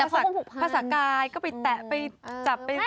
ภาษากายก็ไปแตะไปจับไป